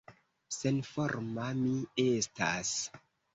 Senforma mi estas!